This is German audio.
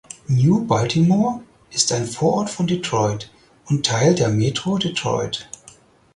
New Baltimore ist ein Vorort von Detroit und Teil der Metro Detroit.